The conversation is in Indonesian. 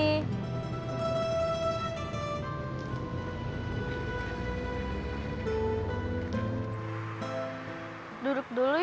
ya obat obatnya gak jualan lagi